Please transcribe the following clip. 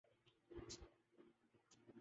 مس Universe کا اعزاز France کے نام